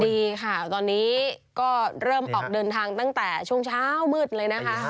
ดีค่ะตอนนี้ก็เริ่มออกเดินทางตั้งแต่ช่วงเช้ามืดเลยนะคะ